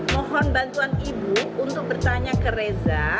mohon bantuan ibu untuk bertanya ke reza